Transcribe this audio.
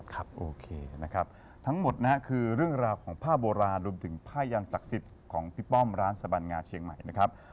โอเคนะครับทั้งหมดนะฮะคือเรื่องราวของผ้าโบราณรวมถึงผ้ายันศักดิ์สิทธิ์ของพี่ป้อมร้านสบันงาเชียงใหม่นะครับ